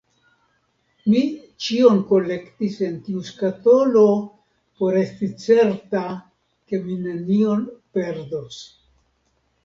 Mi ĉion kolektis en tiu skatolo por esti certa, ke mi nenion perdos.